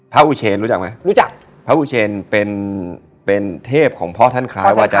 อุเชนรู้จักไหมรู้จักพระอุเชนเป็นเป็นเทพของพ่อท่านคล้ายวาจาร